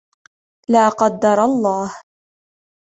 لا قدر الله!